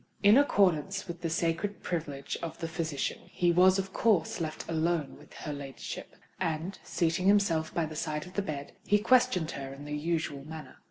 In accordance with the sacred privilege of the physician, he was of course left alone with her ladyship; and, seating himself by the side of the bed, he questioned her in the usual manner.